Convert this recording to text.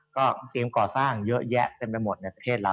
ก็เกมก่อสร้างเยอะแยะเต็มไปหมดในประเทศเรา